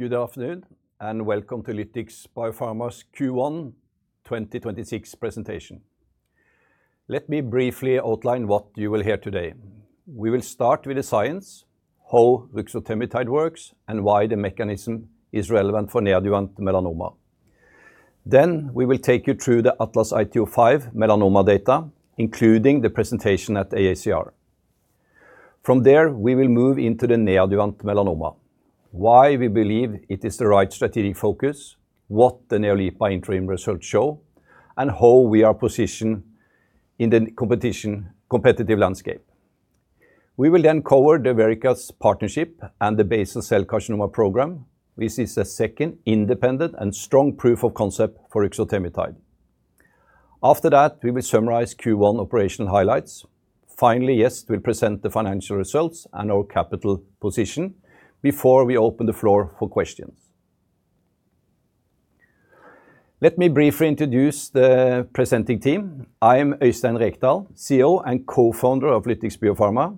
Good afternoon, and welcome to Lytix Biopharma's Q1 2026 Presentation. Let me briefly outline what you will hear today. We will start with the science, how ruxotemitide works, and why the mechanism is relevant for neoadjuvant melanoma. We will take you through the ATLAS-IT-05 melanoma data, including the presentation at AACR. We will move into the neoadjuvant melanoma, why we believe it is the right strategic focus, what the NeoLIPA interim results show, and how we are positioned in the competitive landscape. We will then cover the Verrica's partnership and the basal cell carcinoma program. This is a second independent and strong proof of concept for ruxotemitide. We will summarize Q1 operational highlights. Gjest will present the financial results and our capital position before we open the floor for questions. Let me briefly introduce the presenting team. I am Øystein Rekdal, CEO and Co-Founder of Lytix Biopharma.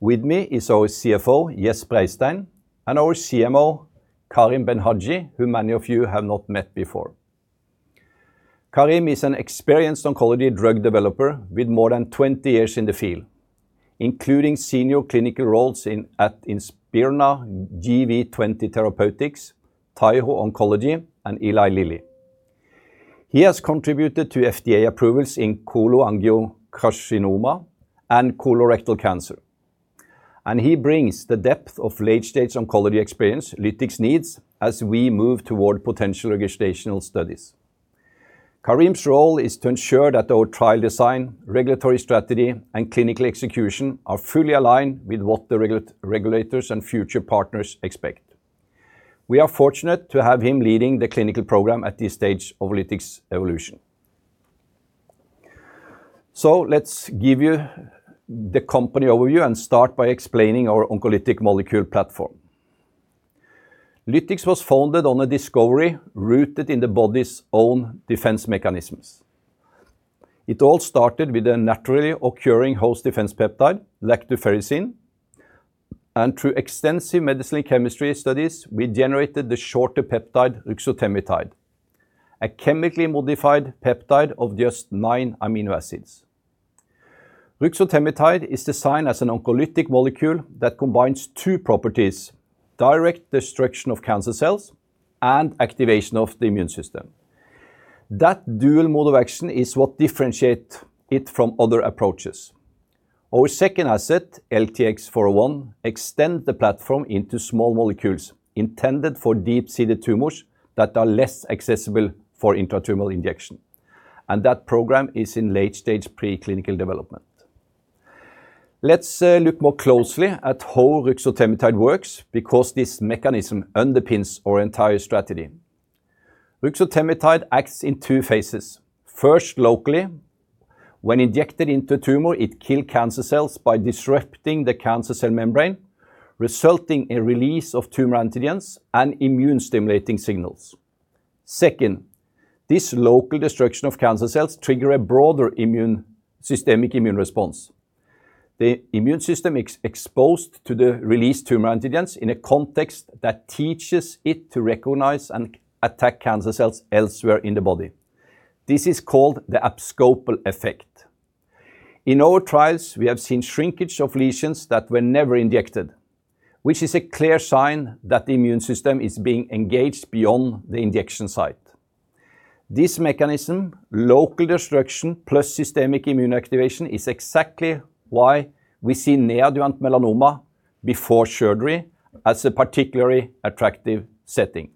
With me is our CFO, Gjest Breistein, and our CMO, Karim Benhadji, who many of you have not met before. Karim is an experienced oncology drug developer with more than 20 years in the field, including senior clinical roles at Inspirna, GV20 Therapeutics, Taiho Oncology, and Eli Lilly. He has contributed to FDA approvals in cholangiocarcinoma and colorectal cancer, and he brings the depth of late-stage oncology experience Lytix needs as we move toward potential registrational studies. Karim's role is to ensure that our trial design, regulatory strategy, and clinical execution are fully aligned with what the regulators and future partners expect. We are fortunate to have him leading the clinical program at this stage of Lytix evolution. Let's give you the company overview and start by explaining our oncolytic molecule platform. Lytix was founded on a discovery rooted in the body's own defense mechanisms. It all started with a naturally occurring host defense peptide, lactoferricin, and through extensive medicinal chemistry studies, we generated the shorter peptide ruxotemitide, a chemically modified peptide of just nine amino acids. Ruxotemitide is designed as an oncolytic molecule that combines two properties, direct destruction of cancer cells and activation of the immune system. That dual mode of action is what differentiates it from other approaches. Our second asset, LTX-401, extends the platform into small molecules intended for deep-seated tumors that are less accessible for intratumoral injection, and that program is in late-stage preclinical development. Let's look more closely at how ruxotemitide works because this mechanism underpins our entire strategy. Ruxotemitide acts in two phases. First, locally. When injected into a tumor, it kills cancer cells by disrupting the cancer cell membrane, resulting in release of tumor antigens and immune-stimulating signals. Second, this local destruction of cancer cells trigger a broader systemic immune response. The immune system is exposed to the released tumor antigens in a context that teaches it to recognize and attack cancer cells elsewhere in the body. This is called the abscopal effect. In our trials, we have seen shrinkage of lesions that were never injected, which is a clear sign that the immune system is being engaged beyond the injection site. This mechanism, local destruction plus systemic immune activation, is exactly why we see neoadjuvant melanoma before surgery as a particularly attractive setting.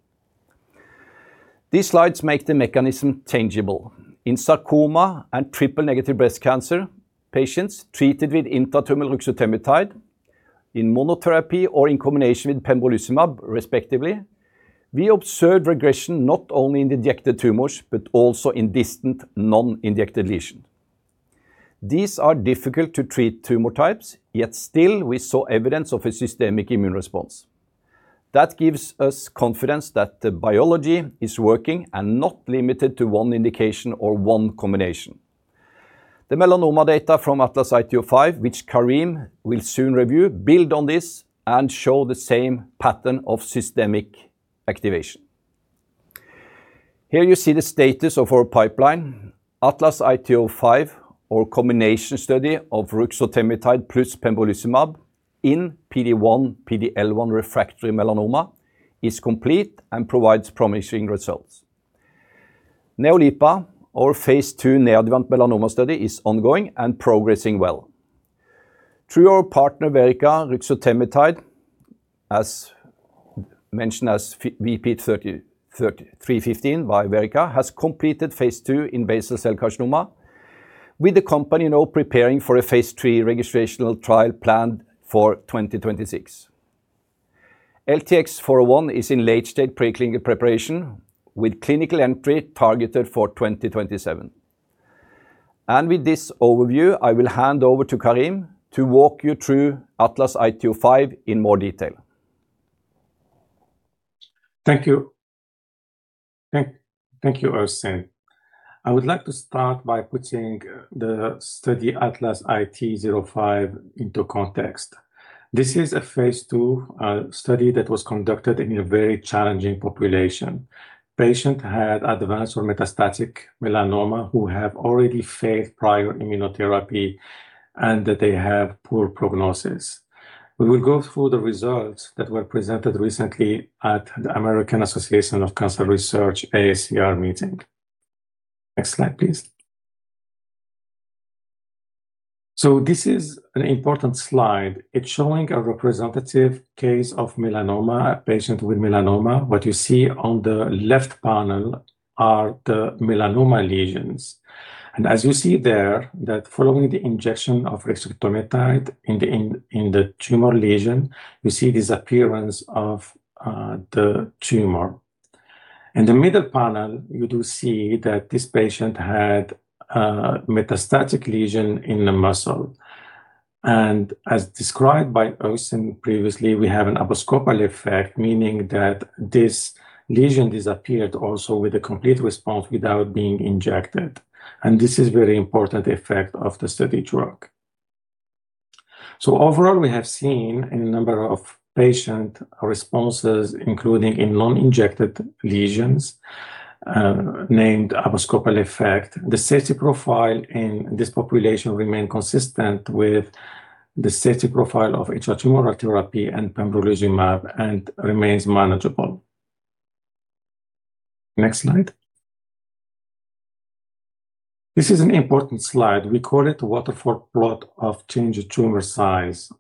These slides make the mechanism tangible. In sarcoma and triple-negative breast cancer patients treated with intratumoral ruxotemitide in monotherapy or in combination with pembrolizumab, respectively, we observed regression not only in the injected tumors but also in distant non-injected lesions. These are difficult-to-treat tumor types, yet still we saw evidence of a systemic immune response. That gives us confidence that the biology is working and not limited to one indication or one combination. The melanoma data from ATLAS-IT-05, which Karim will soon review, build on this and show the same pattern of systemic activation. Here you see the status of our pipeline. ATLAS-IT-05, our combination study of ruxotemitide plus pembrolizumab in PD-1/PD-L1 refractory melanoma, is complete and provides promising results. NeoLIPA, our phase II neoadjuvant melanoma study, is ongoing and progressing well. Through our partner Verrica, ruxotemitide, mentioned as VP-315 by Verrica, has completed phase II in basal cell carcinoma, with the company now preparing for a phase III registrational trial planned for 2026. LTX-401 is in late-stage preclinical preparation, with clinical entry targeted for 2027. With this overview, I will hand over to Karim to walk you through ATLAS-IT-05 in more detail. Thank you. Thank you, Øystein. I would like to start by putting the study ATLAS-IT-05 into context. This is a phase II study that was conducted in a very challenging population. Patient had advanced or metastatic melanoma who have already failed prior immunotherapy, and that they have poor prognosis. We will go through the results that were presented recently at the American Association for Cancer Research, AACR meeting. Next slide, please. This is an important slide. It is showing a representative case of melanoma, a patient with melanoma. What you see on the left panel are the melanoma lesions. As you see there, that following the injection of ruxotemitide in the tumor lesion, you see disappearance of the tumor. In the middle panel, you do see that this patient had a metastatic lesion in the muscle. As described by Øystein previously, we have an abscopal effect, meaning that this lesion disappeared also with a complete response without being injected. This is very important effect of the study drug. Overall, we have seen in a number of patient responses, including in non-injected lesions, named abscopal effect. The safety profile in this population remain consistent with the safety profile of intratumoral therapy and pembrolizumab and remains manageable. Next slide. This is an important slide. We call it waterfall plot of change in tumor size.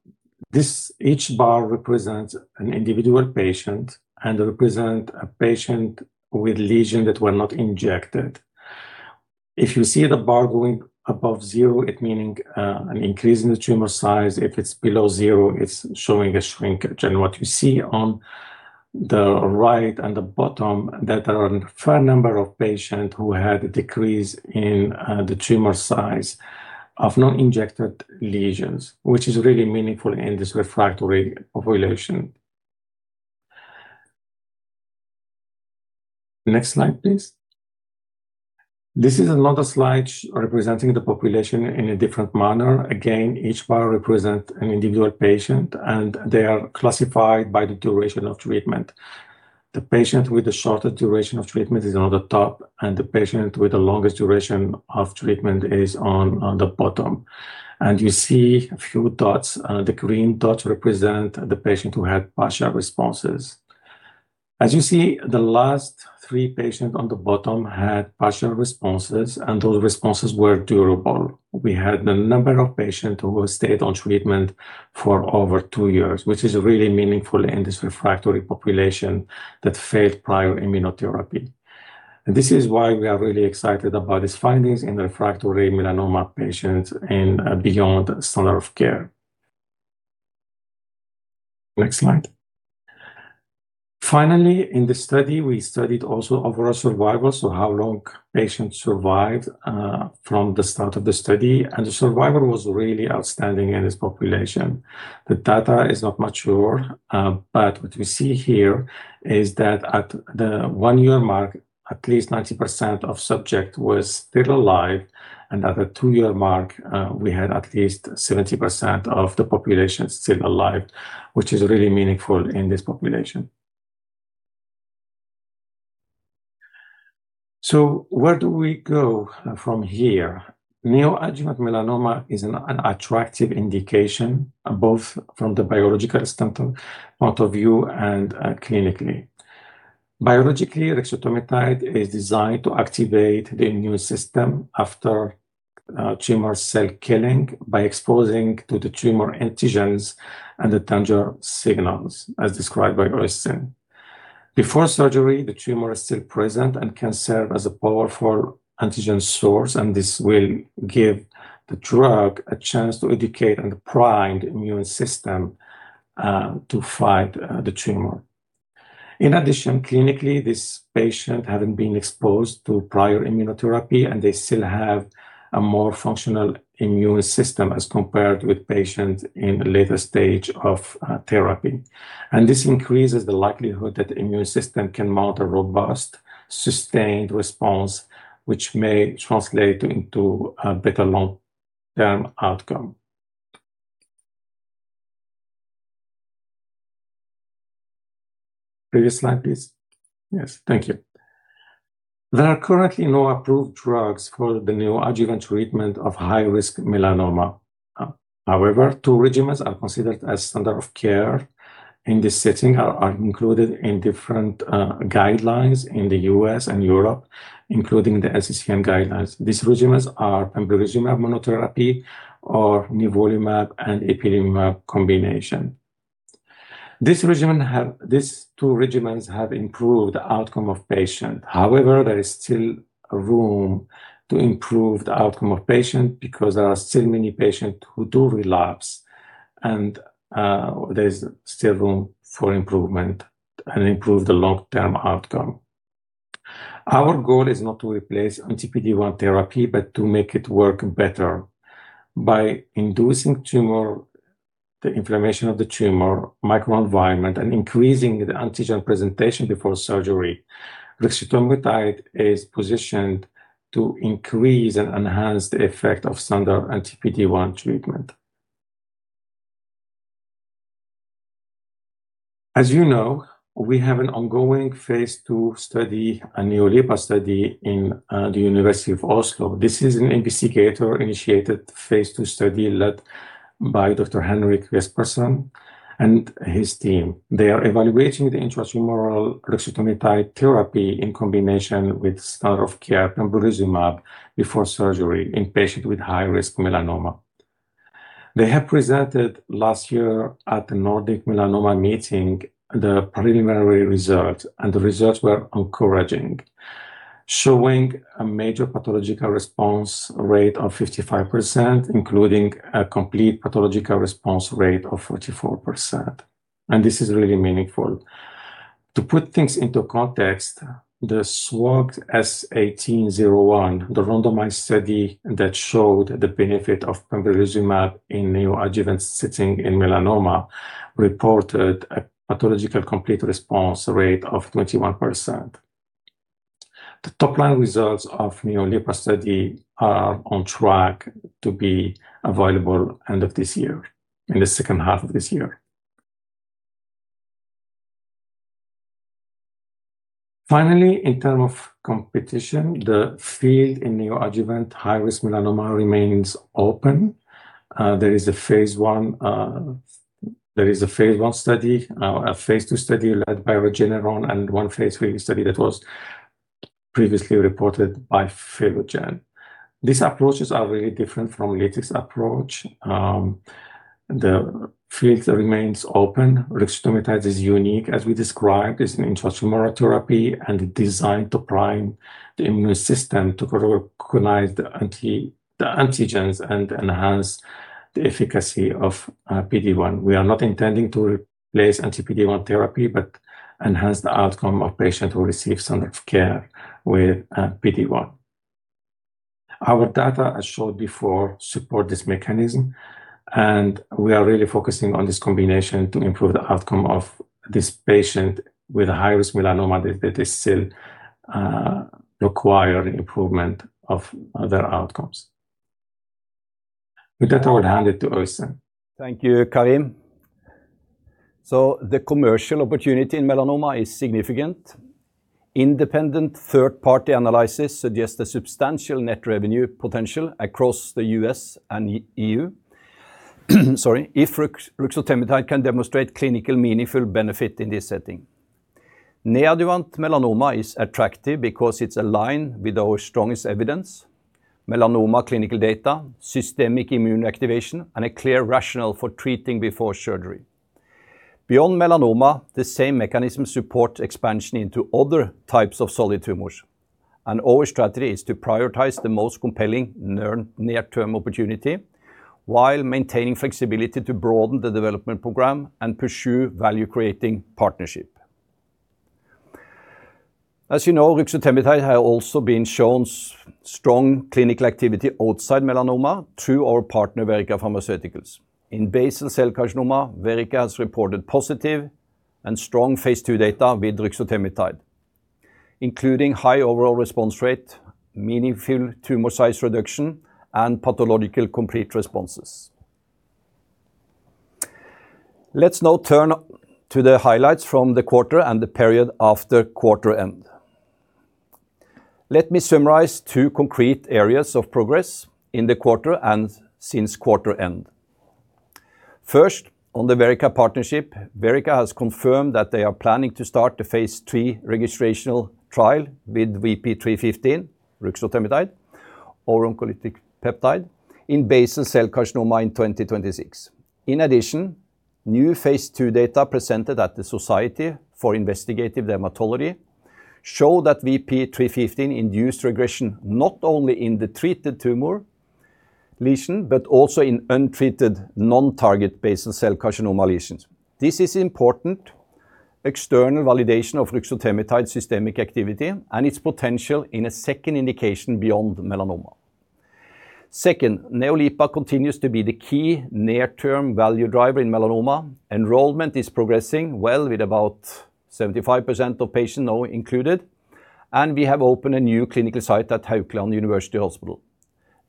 Each bar represents an individual patient and represent a patient with lesion that were not injected. If you see the bar going above zero, it meaning an increase in the tumor size. If it's below zero, it's showing a shrinkage. What you see on the right and the bottom, that are a fair number of patients who had a decrease in the tumor size of non-injected lesions, which is really meaningful in this refractory population. Next slide, please. This is another slide representing the population in a different manner. Again, each bar represents an individual patient, and they are classified by the duration of treatment. The patient with the shorter duration of treatment is on the top, and the patient with the longest duration of treatment is on the bottom. You see a few dots. The green dots represent the patients who had partial responses. As you see, the last three patients on the bottom had partial responses, and those responses were durable. We had a number of patients who stayed on treatment for over two years, which is really meaningful in this refractory population that failed prior immunotherapy. This is why we are really excited about these findings in refractory melanoma patients and beyond standard of care. Next slide. In the study, we studied also overall survival, so how long patients survived from the start of the study, and the survival was really outstanding in this population. The data is not mature, what we see here is that at the one-year mark, at least 90% of subjects was still alive. At the two-year mark, we had at least 70% of the population still alive, which is really meaningful in this population. Where do we go from here? Neoadjuvant melanoma is an attractive indication, both from the biological standpoint point of view and clinically. Biologically, ruxotemitide is designed to activate the immune system after tumor cell killing by exposing to the tumor antigens and the danger signals, as described by Øystein. Before surgery, the tumor is still present and can serve as a powerful antigen source, and this will give the drug a chance to educate and prime the immune system to fight the tumor. In addition, clinically, this patient haven't been exposed to prior immunotherapy, and they still have a more functional immune system as compared with patients in a later stage of therapy. This increases the likelihood that the immune system can mount a robust, sustained response, which may translate into a better long-term outcome. Previous slide, please. Yes, thank you. There are currently no approved drugs for the neoadjuvant treatment of high-risk melanoma. However, two regimens are considered as standard of care in this setting, are included in different guidelines in the U.S. and Europe, including the ESMO guidelines. These regimens are pembrolizumab monotherapy or nivolumab and ipilimumab combination. These two regimens have improved outcome of patient. There is still room to improve the outcome of patient because there are still many patient who do relapse, and there is still room for improvement and improve the long-term outcome. Our goal is not to replace anti-PD-1 therapy, but to make it work better by inducing the inflammation of the tumor microenvironment and increasing the antigen presentation before surgery. Ruxotemitide is positioned to increase and enhance the effect of standard anti-PD-1 treatment. As you know, we have an ongoing phase II study, a NeoLIPA study in the University of Oslo. This is an investigator-initiated phase II study led by Dr. Henrik Jespersen and his team. They are evaluating the intratumoral ruxotemitide therapy in combination with standard of care pembrolizumab before surgery in patients with high-risk melanoma. They have presented last year at the Nordic Melanoma Meeting the preliminary results, the results were encouraging, showing a major pathological response rate of 55%, including a complete pathological response rate of 44%. This is really meaningful. To put things into context, the SWOG S1801, the randomized study that showed the benefit of pembrolizumab in neoadjuvant setting in melanoma, reported a pathological complete response rate of 21%. The top-line results of NeoLIPA study are on track to be available end of this year, in the second half of this year. Finally, in terms of competition, the field in neoadjuvant high-risk melanoma remains open. There is a phase I study, a phase II study led by Regeneron, and one phase III study that was previously reported by Philogen. These approaches are really different from Lytix approach. The field remains open. Ruxotemitide is unique, as we described, as an intratumoral therapy and designed to prime the immune system to recognize the antigens and enhance the efficacy of PD-1. We are not intending to replace anti-PD-1 therapy, but enhance the outcome of patients who receive standard of care with PD-1. Our data, as showed before, support this mechanism, and we are really focusing on this combination to improve the outcome of this patient with a high-risk melanoma that is still requiring improvement of their outcomes. With that, I would hand it to Øystein. Thank you, Karim. The commercial opportunity in melanoma is significant. Independent third-party analysis suggests a substantial net revenue potential across the U.S. and E.U. Sorry. If ruxotemitide can demonstrate clinical meaningful benefit in this setting. Neoadjuvant melanoma is attractive because it's aligned with our strongest evidence, melanoma clinical data, systemic immune activation, and a clear rationale for treating before surgery. Beyond melanoma, the same mechanism supports expansion into other types of solid tumors, and our strategy is to prioritize the most compelling near-term opportunity while maintaining flexibility to broaden the development program and pursue value-creating partnership. As you know, ruxotemitide has also been shown strong clinical activity outside melanoma through our partner Verrica Pharmaceuticals. In basal cell carcinoma, Verrica has reported positive and strong phase II data with ruxotemitide, including high overall response rate, meaningful tumor size reduction, and pathological complete responses. Let's now turn to the highlights from the quarter and the period after quarter end. Let me summarize two concrete areas of progress in the quarter and since quarter end. First, on the Verrica partnership, Verrica has confirmed that they are planning to start the phase III registrational trial with VP-315, ruxotemitide, oral oncolytic peptide, in basal cell carcinoma in 2026. In addition, new phase II data presented at the Society for Investigative Dermatology show that VP-315 induced regression not only in the treated tumor lesion, but also in untreated non-target basal cell carcinoma lesions. This is important external validation of ruxotemitide's systemic activity and its potential in a second indication beyond melanoma. Second, NeoLIPA continues to be the key near-term value driver in melanoma. Enrollment is progressing well with about 75% of patients now included, and we have opened a new clinical site at Haukeland University Hospital.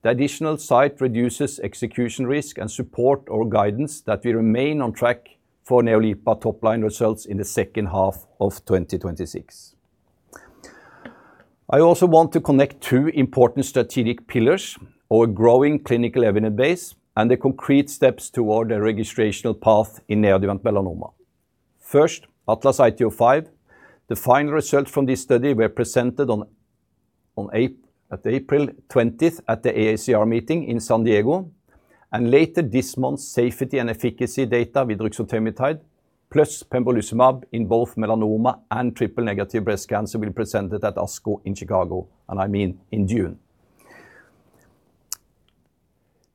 The additional site reduces execution risk and support our guidance that we remain on track for NeoLIPA top-line results in the second half of 2026. I also want to connect two important strategic pillars, our growing clinical evidence base, and the concrete steps toward a registrational path in neoadjuvant melanoma. First, ATLAS-IT-05. The final results from this study were presented on April 20th at the AACR meeting in San Diego. Later this month, safety and efficacy data with ruxotemitide plus pembrolizumab in both melanoma and triple-negative breast cancer will be presented at ASCO in Chicago, and I mean in June.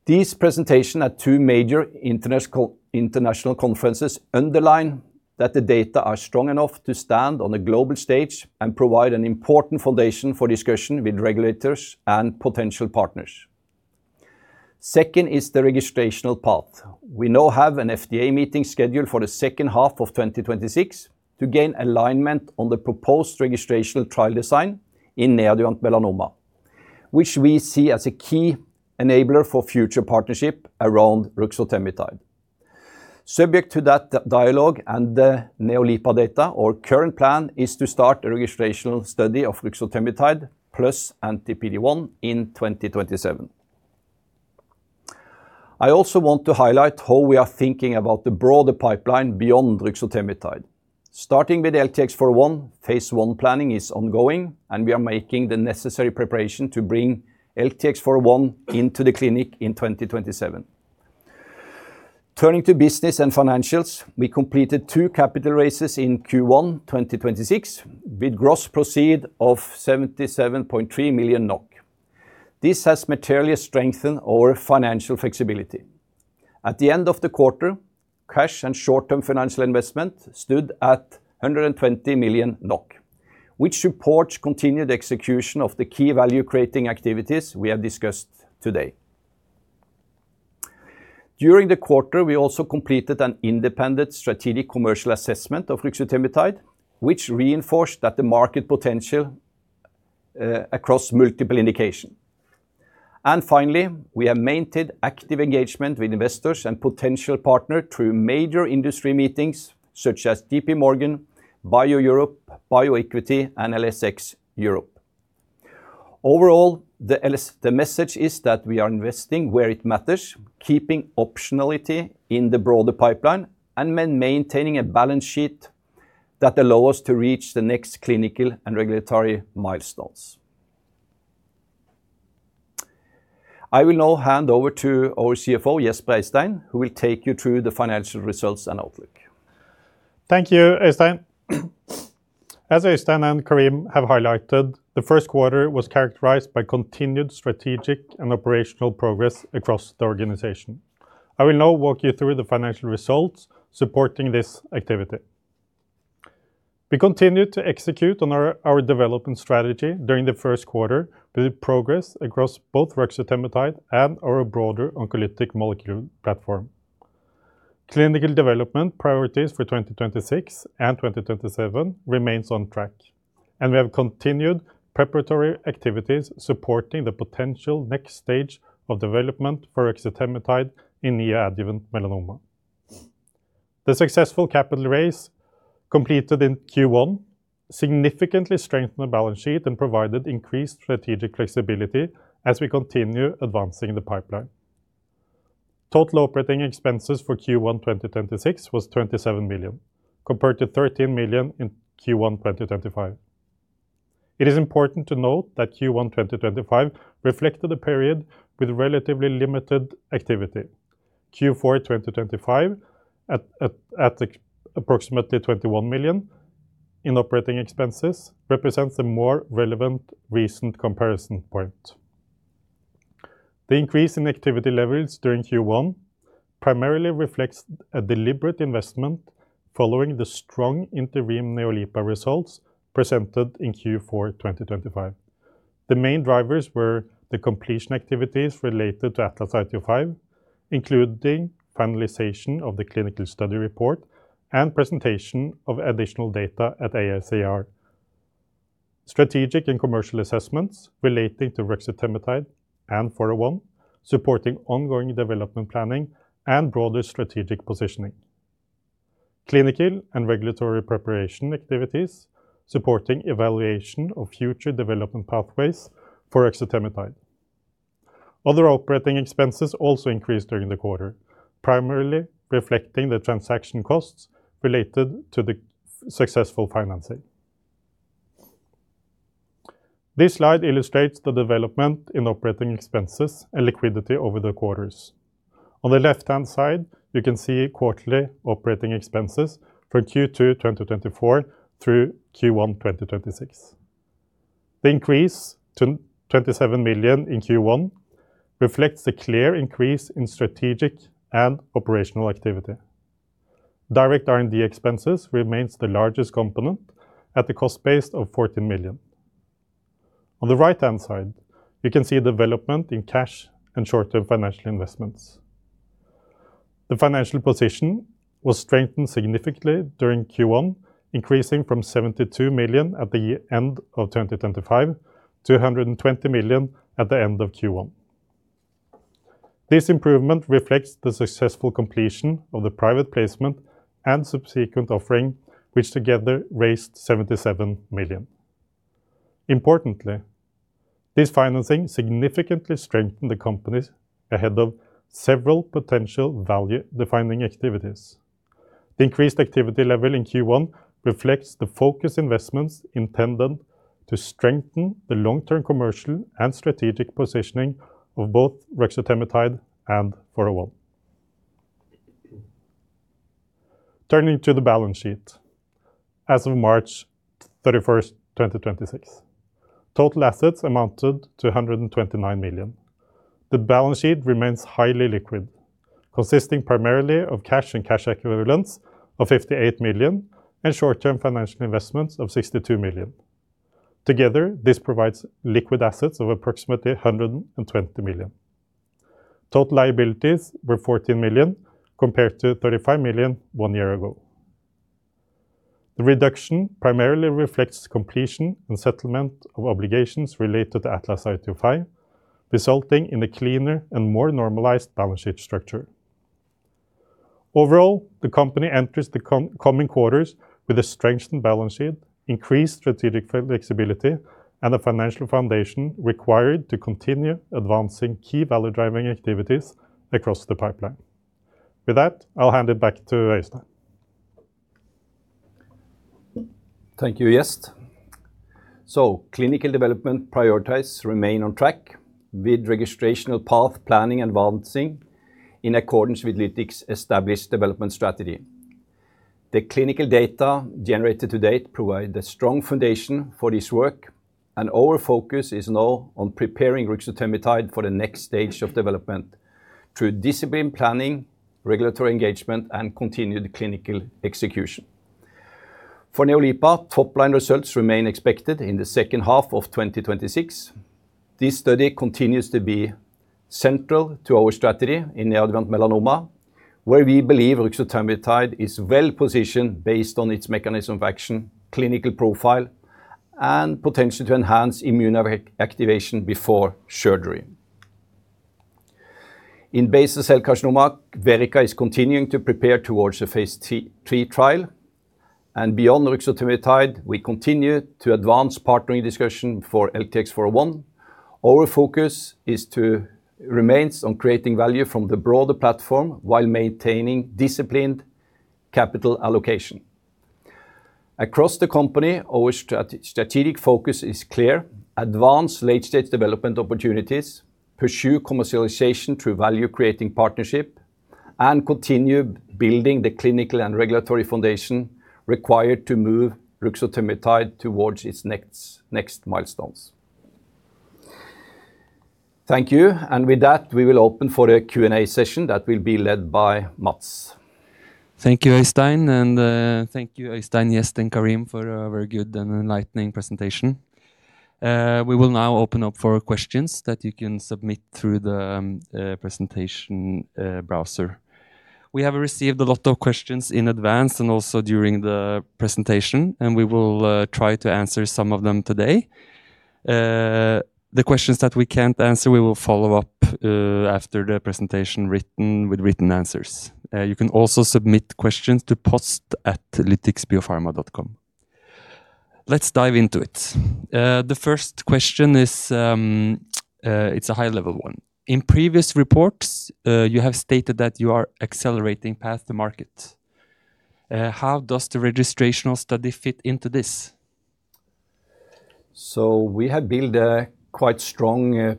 These presentation at two major international conferences underline that the data are strong enough to stand on a global stage and provide an important foundation for discussion with regulators and potential partners. Second is the registrational path. We now have an FDA meeting scheduled for the second half of 2026 to gain alignment on the proposed registrational trial design in neoadjuvant melanoma, which we see as a key enabler for future partnership around ruxotemitide. Subject to that dialogue and the NeoLIPA data, our current plan is to start a registrational study of ruxotemitide plus anti-PD-1 in 2027. I also want to highlight how we are thinking about the broader pipeline beyond ruxotemitide. Starting with LTX-401, phase I planning is ongoing, and we are making the necessary preparation to bring LTX-401 into the clinic in 2027. Turning to business and financials, we completed two capital raises in Q1 2026 with gross proceeds of 77.3 million NOK. This has materially strengthened our financial flexibility. At the end of the quarter, cash and short-term financial investment stood at 120 million NOK, which supports continued execution of the key value-creating activities we have discussed today. During the quarter, we also completed an independent strategic commercial assessment of ruxotemitide, which reinforced that the market potential, across multiple indication. Finally, we have maintained active engagement with investors and potential partner through major industry meetings such as J.P. Morgan, BIO-Europe, BioEquity, and LSX Europe. Overall, the message is that we are investing where it matters, keeping optionality in the broader pipeline, and maintaining a balance sheet that allow us to reach the next clinical and regulatory milestones. I will now hand over to our CFO, Gjest Breistein, who will take you through the financial results and outlook. Thank you, Øystein. As Øystein and Karim have highlighted, the first quarter was characterized by continued strategic and operational progress across the organization. I will now walk you through the financial results supporting this activity. We continued to execute on our development strategy during the first quarter with progress across both ruxotemitide and our broader oncolytic molecule platform. Clinical development priorities for 2026 and 2027 remains on track, and we have continued preparatory activities supporting the potential next stage of development for ruxotemitide in the adjuvant melanoma. The successful capital raise completed in Q1 significantly strengthened the balance sheet and provided increased strategic flexibility as we continue advancing the pipeline. Total operating expenses for Q1 2026 was 27 million, compared to 13 million in Q1 2025. It is important to note that Q1 2025 reflected a period with relatively limited activity. Q4 2025, at approximately 21 million in operating expenses, represents a more relevant recent comparison point. The increase in activity levels during Q1 primarily reflects a deliberate investment following the strong interim NeoLIPA results presented in Q4 2025. The main drivers were the completion activities related to ATLAS-IT-05, including finalization of the clinical study report and presentation of additional data at AACR. Strategic and commercial assessments relating to ruxotemitide and 401, supporting ongoing development planning and broader strategic positioning. Clinical and regulatory preparation activities, supporting evaluation of future development pathways for ruxotemitide. Other operating expenses also increased during the quarter, primarily reflecting the transaction costs related to the successful financing. This slide illustrates the development in operating expenses and liquidity over the quarters. On the left-hand side, you can see quarterly operating expenses from Q2 2024 through Q1 2026. The increase to 27 million in Q1 reflects the clear increase in strategic and operational activity. Direct R&D expenses remains the largest component at the cost base of 14 million. On the right-hand side, you can see development in cash and short-term financial investments. The financial position was strengthened significantly during Q1, increasing from 72 million at the end of 2025 to 120 million at the end of Q1. This improvement reflects the successful completion of the private placement and subsequent offering, which together raised 77 million. Importantly, this financing significantly strengthened the companies ahead of several potential value-defining activities. The increased activity level in Q1 reflects the focused investments intended to strengthen the long-term commercial and strategic positioning of both ruxotemitide and 401. Turning to the balance sheet. As of March 31st, 2026, total assets amounted to 129 million. The balance sheet remains highly liquid, consisting primarily of cash and cash equivalents of 58 million and short-term financial investments of 62 million. Together, this provides liquid assets of approximately 120 million. Total liabilities were 14 million, compared to 35 million one year ago. The reduction primarily reflects completion and settlement of obligations related to ATLAS-IT-05, resulting in a cleaner and more normalized balance sheet structure. Overall, the company enters the coming quarters with a strengthened balance sheet, increased strategic flexibility, and the financial foundation required to continue advancing key value-driving activities across the pipeline. With that, I'll hand it back to Øystein. Thank you, Gjest. Clinical development priorities remain on track with registrational path planning and balancing in accordance with Lytix's established development strategy. The clinical data generated to date provide a strong foundation for this work, and our focus is now on preparing ruxotemitide for the next stage of development through disciplined planning, regulatory engagement, and continued clinical execution. For NeoLIPA, top-line results remain expected in the second half of 2026. This study continues to be central to our strategy in neoadjuvant melanoma, where we believe ruxotemitide is well-positioned based on its mechanism of action, clinical profile, and potential to enhance immune activation before surgery. In basal cell carcinoma, Verrica is continuing to prepare towards the phase III trial. Beyond ruxotemitide, we continue to advance partnering discussion for LTX-401. Our focus remains on creating value from the broader platform while maintaining disciplined capital allocation. Across the company, our strategic focus is clear. Advance late-stage development opportunities, pursue commercialization through value-creating partnership, and continue building the clinical and regulatory foundation required to move ruxotemitide towards its next milestones. Thank you. With that, we will open for a Q&A session that will be led by Mats. Thank you, Øystein. Thank you, Øystein, Gjest, and Karim for a very good and enlightening presentation. We will now open up for questions that you can submit through the presentation browser. We have received a lot of questions in advance and also during the presentation, and we will try to answer some of them today. The questions that we can't answer, we will follow up after the presentation with written answers. You can also submit questions to post@lytixbiopharma.com. Let's dive into it. The first question is a high-level one. In previous reports, you have stated that you are accelerating path to market. How does the registrational study fit into this? We have built a quite strong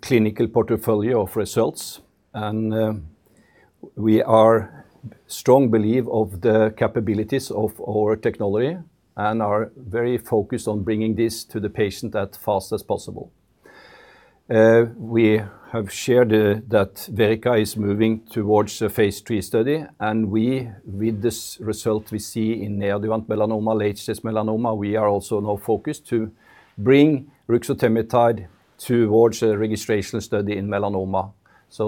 clinical portfolio of results, and we are strong believe of the capabilities of our technology and are very focused on bringing this to the patient as fast as possible. We have shared that Verrica is moving towards a phase III study. With this result we see in neoadjuvant melanoma, late-stage melanoma, we are also now focused to bring ruxotemitide towards a registrational study in melanoma.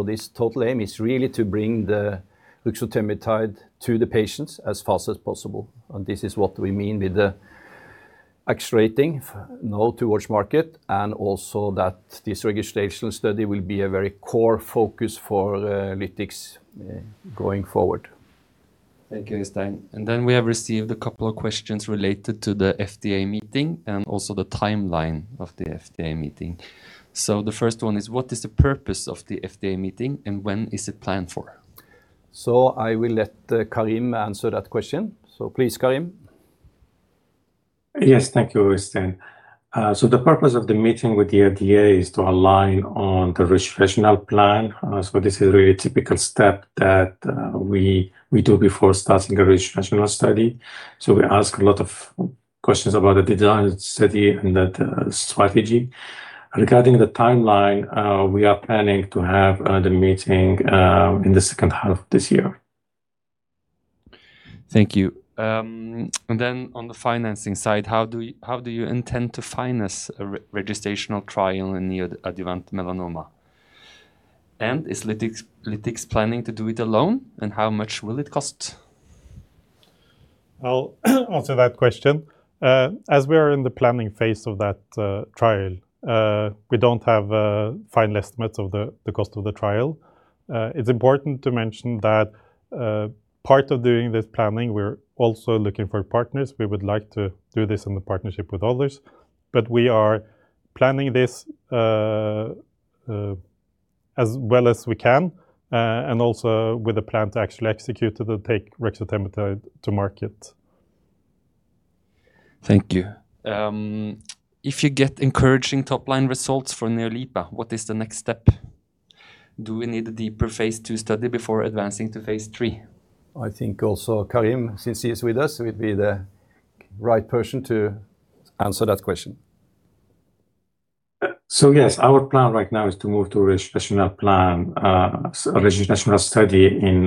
This total aim is really to bring the ruxotemitide to the patients as fast as possible. This is what we mean with the accelerating now towards market, and also that this registrational study will be a very core focus for Lytix going forward. Thank you, Øystein. We have received a couple of questions related to the FDA meeting and also the timeline of the FDA meeting. The first one is, what is the purpose of the FDA meeting, and when is it planned for? I will let Karim answer that question. Please, Karim. Yes, thank you, Øystein. The purpose of the meeting with the FDA is to align on the registrational plan. This is really a typical step that we do before starting a registrational study. We ask a lot of questions about the design of the study and that strategy. Regarding the timeline, we are planning to have the meeting in the second half of this year. Thank you. On the financing side, how do you intend to finance a registrational trial in neoadjuvant melanoma? Is Lytix planning to do it alone, and how much will it cost? I'll answer that question. As we are in the planning phase of that trial, we don't have final estimates of the cost of the trial. It's important to mention that part of doing this planning, we're also looking for partners. We would like to do this in partnership with others. We are planning this as well as we can, and also with a plan to actually execute to take ruxotemitide to market. Thank you. If you get encouraging top-line results for NeoLIPA, what is the next step? Do we need a deeper phase II study before advancing to phase III? I think also Karim, since he is with us, would be the right person to answer that question. Yes, our plan right now is to move to a registration plan, a registration study in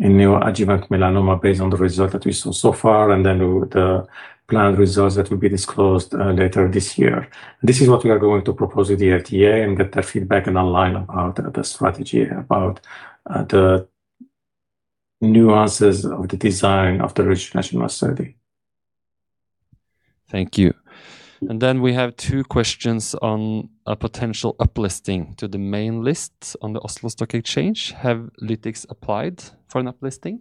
neoadjuvant melanoma based on the result that we saw so far, and then the planned results that will be disclosed later this year. This is what we are going to propose with the FDA and get their feedback and align about the strategy, about the nuances of the design of the registration study. Thank you. We have two questions on a potential up-listing to the main list on the Oslo Stock Exchange. Have Lytix applied for an up-listing?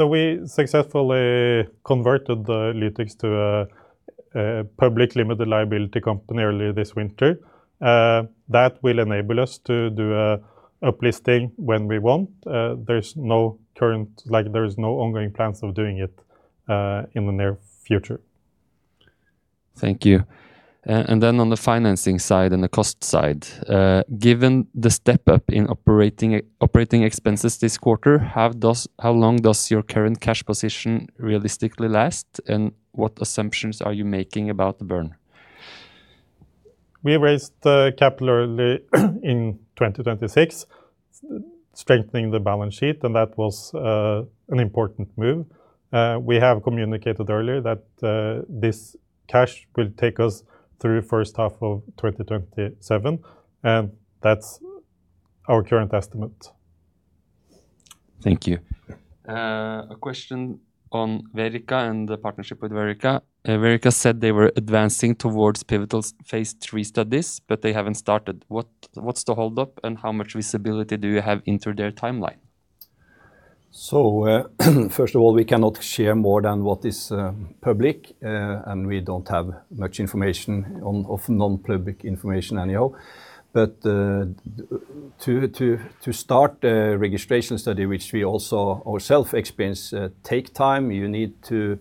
We successfully converted Lytix to a public limited liability company earlier this winter. That will enable us to do a up-listing when we want. There's no ongoing plans of doing it in the near future. Thank you. On the financing side and the cost side, given the step-up in operating expenses this quarter, how long does your current cash position realistically last, and what assumptions are you making about the burn? We raised the capital early in 2026, strengthening the balance sheet, and that was an important move. We have communicated earlier that this cash will take us through first half of 2027. That's our current estimate. Thank you. A question on Verrica and the partnership with Verrica. Verrica said they were advancing towards pivotal phase III studies. They haven't started. What's the hold-up, and how much visibility do you have into their timeline? First of all, we cannot share more than what is public, and we don't have much information of non-public information anyhow. To start a registration study, which we also ourself experience take time. You need to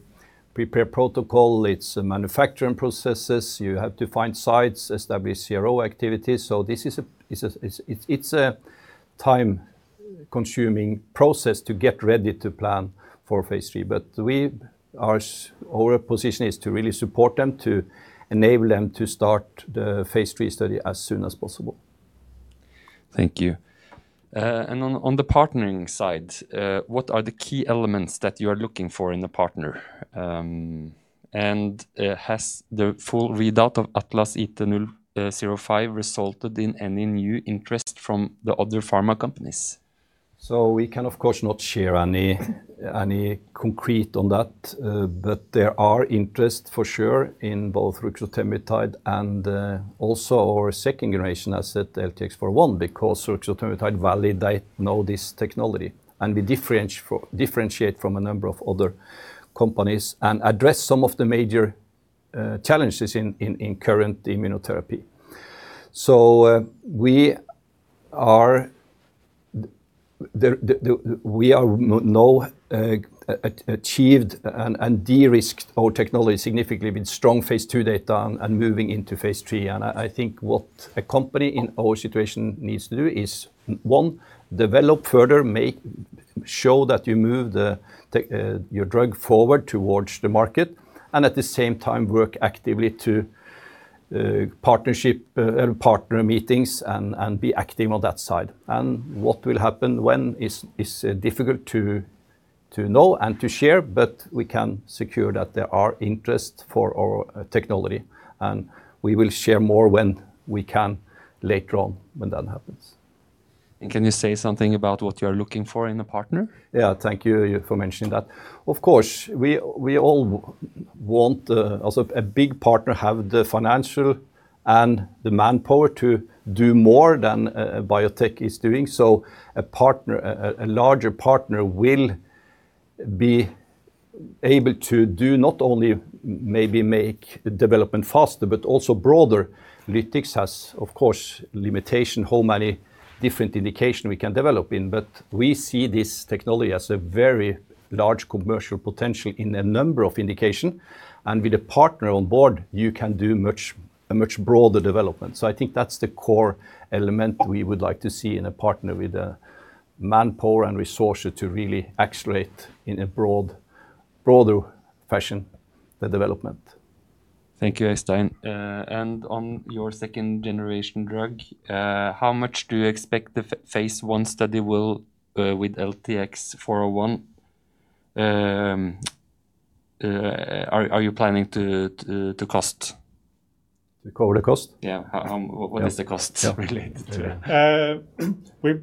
prepare protocol. It's manufacturing processes. You have to find sites, establish CRO activities. It's a time-consuming process to get ready to plan for phase III, but our position is to really support them, to enable them to start the phase III study as soon as possible. Thank you. On the partnering side, what are the key elements that you are looking for in a partner? Has the full readout of ATLAS-IT-05 resulted in any new interest from the other pharma companies? We can, of course, not share any concrete on that. There are interest for sure in both ruxotemitide and also our second generation asset, LTX-401, because ruxotemitide validate now this technology. We differentiate from a number of other companies and address some of the major challenges in current immunotherapy. We have now achieved and de-risked our technology significantly with strong phase II data and moving into phase III. I think what a company in our situation needs to do is, one, develop further, show that you move your drug forward towards the market, and at the same time work actively to partner meetings and be active on that side. What will happen when is difficult to know and to share, but we can secure that there are interest for our technology, and we will share more when we can later on when that happens. Can you say something about what you're looking for in a partner? Thank you for mentioning that. Of course, we all want also a big partner, have the financial and the manpower to do more than a biotech is doing. A larger partner will be able to do not only maybe make development faster but also broader. Lytix has, of course, limitation how many different indication we can develop in, but we see this technology has a very large commercial potential in a number of indication. With a partner on board, you can do a much broader development. I think that's the core element we would like to see in a partner with the manpower and resources to really accelerate in a broader fashion, the development. Thank you, Øystein. On your second-generation drug, how much do you expect the phase I study will with LTX-401? Are you planning to cost? To cover the cost? Yeah. What is the cost related to that?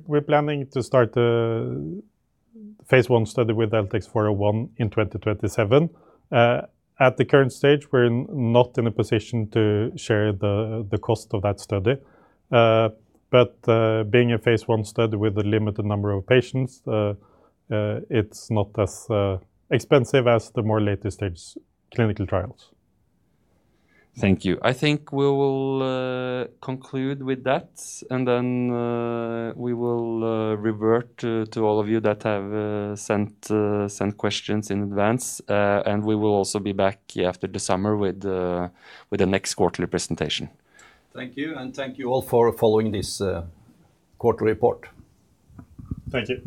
We're planning to start the phase I study with LTX-401 in 2027. At the current stage, we're not in a position to share the cost of that study. Being a phase I study with a limited number of patients, it's not as expensive as the more later stage clinical trials. Thank you. I think we will conclude with that, and then we will revert to all of you that have sent questions in advance. We will also be back after the summer with the next quarterly presentation. Thank you, and thank you all for following this quarterly report. Thank you.